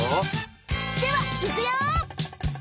ではいくよ！